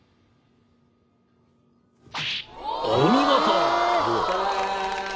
［お見事！］